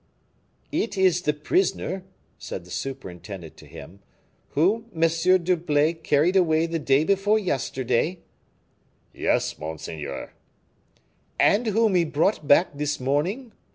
"It is the prisoner," said the superintendent to him, "whom M. d'Herblay carried away the day before yesterday?" "Yes, monseigneur." "And whom he brought back this morning?"